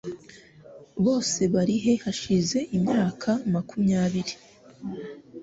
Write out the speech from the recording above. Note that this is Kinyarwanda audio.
Bose barihe hashize imyaka makumyabiri?